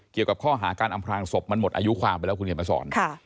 เกี่ยวกับข้อหาการอำพลางศพมันหมดอายุความไปแล้วคุณเขียนมาสอน